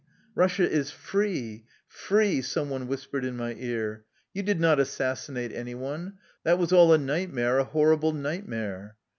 " Russia is free, free! " some one whispered in my ear. " You did not assassinate any one. That was all a nightmare, a horrible nightmare."